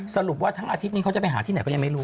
สรุปว่าทั้งอาทิตย์นี้เขาจะไปหาที่ไหนก็ยังไม่รู้